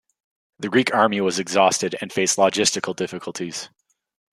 The Greek army was exhausted and faced logistical difficulties.